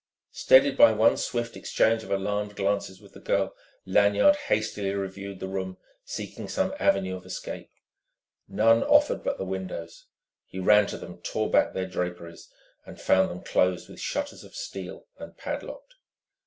Steadied by one swift exchange of alarmed glances with the girl, Lanyard hastily reviewed the room, seeking some avenue of escape. None offered but the windows. He ran to them, tore back their draperies, and found them closed with shutters of steel and padlocked.